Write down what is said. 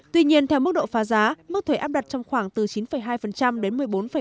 tuy nhiên theo mức độ phá giá mức thuế áp đặt trong khoảng từ chín hai đến một mươi bốn năm